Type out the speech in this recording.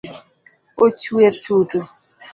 Ochuer tutu?